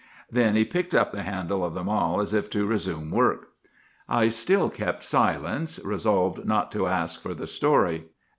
"Then he picked up the handle of the mall as if to resume work. "I still kept silence, resolved not to ask for the story.